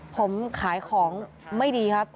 ผมขายของไม่ดีครับ